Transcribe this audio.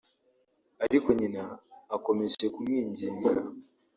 ariko Nyina akomeje kumwinginga